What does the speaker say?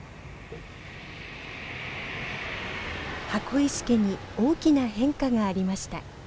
箱石家に大きな変化がありました。